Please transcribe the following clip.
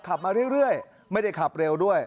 ขับมาเรื่อยไม่ได้ขับเร็วด้วย